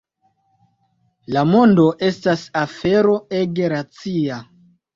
La mondo estas afero ege racia.